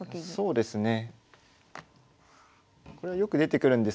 そうですね。